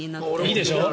いいでしょ。